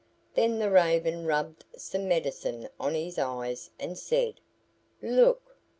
Then the Raven rubbed some medicine on his eyes and said, "Look!"